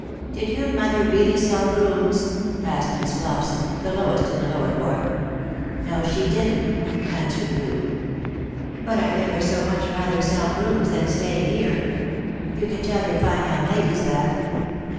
" Did your mother really sell brooms ?" asked Miss Flopson, the lowest in the lower fourth. " Xo, she didn't," answered Loo; "but I'd ever so much rather sell brooms than stay here. You can tell your fine young ladies that."